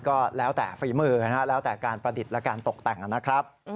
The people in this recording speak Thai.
ก็แล้วแต่ฝีมือนะฮะแล้วแต่การประดิษฐ์และการตกแต่งนะครับ